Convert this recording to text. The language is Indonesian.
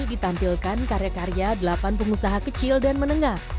ditampilkan karya karya delapan pengusaha kecil dan menengah